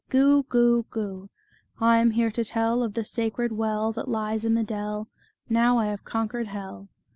Goo! Goo! Goo! I am here to tell Of the sacred well That lies in the dell; Now I have conquered hell."